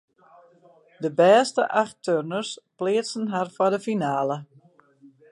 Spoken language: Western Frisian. De bêste acht turners pleatsten har foar de finale.